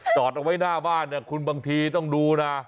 จอดเอาไว้หน้าบ้านเนี่ยคุณบางทีต้องดูนะ